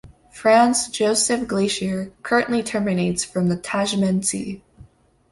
Franz Josef Glacier currently terminates from the Tasman Sea.